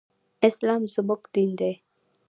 اسلام زمونږ دين دی.